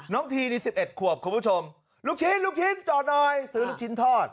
ทีนี่๑๑ขวบคุณผู้ชมลูกชิ้นลูกชิ้นจอดหน่อยซื้อลูกชิ้นทอด